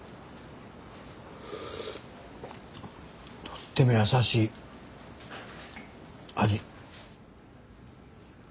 とっても優しい味。